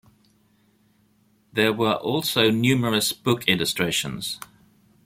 There were also numerous book illustrations.